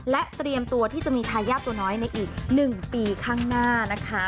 และเตรียมตัวที่จะมีทายาทตัวน้อยในอีก๑ปีข้างหน้านะคะ